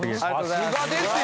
さすがですよ！